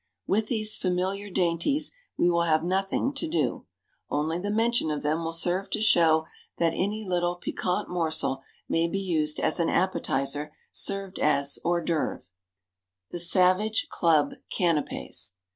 With these familiar dainties we will have nothing to do, only the mention of them will serve to show that any little piquant morsel may be used as an appetizer served as hors d'œuvres. _The Savage Club Canapés.